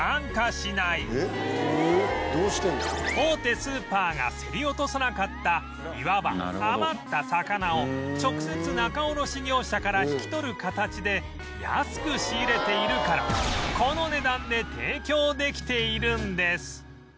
大手スーパーが競り落とさなかったいわば余った魚を直接仲卸業者から引き取る形で安く仕入れているからこの値段で提供できているんです